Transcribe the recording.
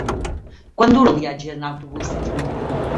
Quant dura el viatge en autobús fins a Molló?